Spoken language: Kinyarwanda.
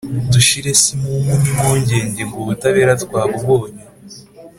dushire se imhumu n’imhungenge ngo ubutabera twabubonye ‘